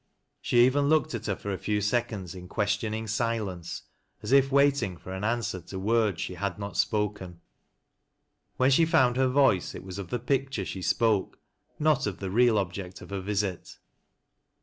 She even looked at her for a few seconds in questioning silence, as if waiting for an answer to vrords she had not spoken. When she found her voice, it was of the picture she spoke, not of the real object of her visit.